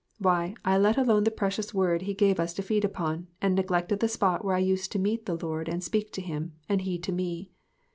Why, I let alone the precious word he gave us to feed upon and neglected the spot where I used to meet the Lord and speak to him and he to me.